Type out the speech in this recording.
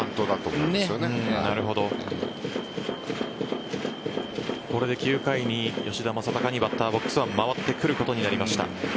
これで９回に吉田正尚にバッターボックスは回ってくることになりました。